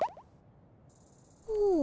ほう。